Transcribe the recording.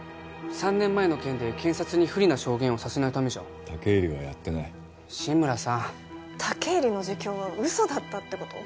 ３年前の件で検察に不利な証言をさせないためじゃ武入はやってない志村さん武入の自供は嘘だったってこと？